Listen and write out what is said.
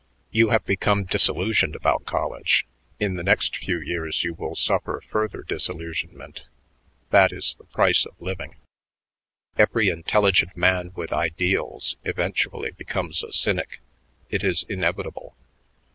You have become disillusioned about college. In the next few years you will suffer further disillusionment. That is the price of living." "Every intelligent man with ideals eventually becomes a cynic. It is inevitable.